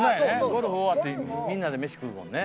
ゴルフ終わってみんなで飯食うもんね。